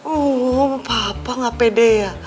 oh papa gak pede ya